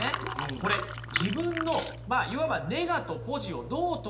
これ自分のまあいわばネガとポジをどう捉えるかがポイントですよ。